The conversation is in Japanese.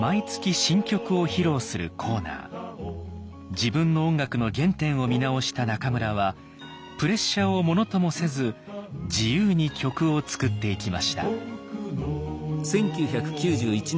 自分の音楽の原点を見直した中村はプレッシャーをものともせず自由に曲を作っていきました。